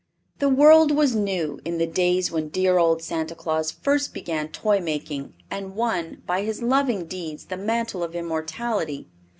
The world was new in the days when dear old Santa Claus first began toy making and won, by his loving deeds, the Mantle of Immortality.